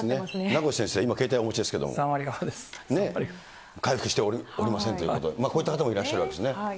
名越先生、今、３割側です。ね、回復しておりませんということで、こういった方もいらっしゃるわけですね。